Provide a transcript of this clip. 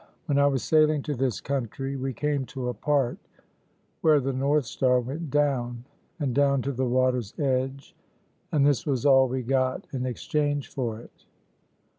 When I was sailing to this country we came to a part where the north star went down and down to the water's edge, and this was all we got in exchange for it."